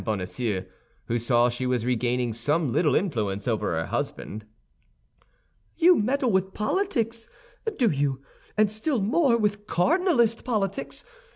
Bonacieux, who saw she was regaining some little influence over her husband. "You meddle with politics, do you—and still more, with cardinalist politics?